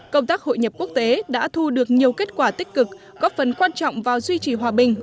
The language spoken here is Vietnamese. công tác hội nhập quốc tế đã thu được nhiều kết quả tích cực góp phần quan trọng vào duy trì hòa bình